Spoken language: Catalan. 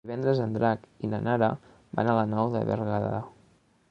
Divendres en Drac i na Nara van a la Nou de Berguedà.